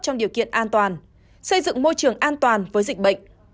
trong điều kiện an toàn xây dựng môi trường an toàn với dịch bệnh